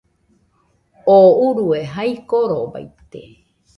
Tú urue jae korobaite